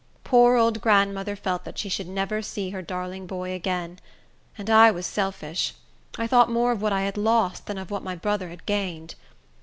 Poor old grandmother felt that she should never see her darling boy again. And I was selfish. I thought more of what I had lost, than of what my brother had gained.